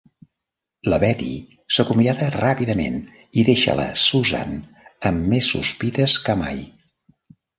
La Betty s'acomiada ràpidament i deixa la Susan amb més sospites que mai.